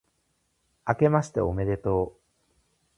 あけましておめでとう